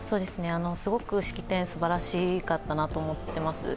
すごく式典はすばらしかったなと思っています。